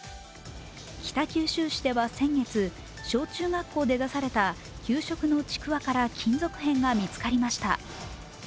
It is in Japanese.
北九州市では先月、小中学校で出された給食のちくわから金属片が見つかりました。